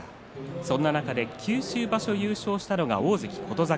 そんな中で九州場所優勝したのが大関琴櫻。